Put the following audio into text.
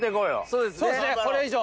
そうっすねこれ以上。